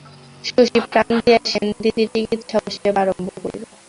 শশী প্রাণ দিয়া সেনদিদির চিকিৎসা ও সেবা আরম্ভ করিল।